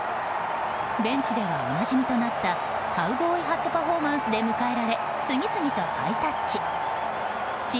ベンチではお馴染みとなったカウボーイハットパフォーマンスで迎えられ次々とハイタッチ。